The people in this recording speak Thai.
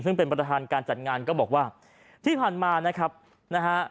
ซึ่งเป็นประธานการจัดงานก็บอกว่าที่ผ่านมานะครับนะฮะ